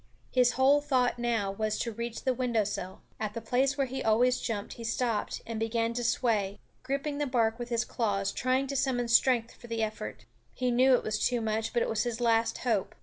His whole thought now was to reach the window sill. At the place where he always jumped he stopped and began to sway, gripping the bark with his claws, trying to summon strength for the effort. He knew it was too much, but it was his last hope.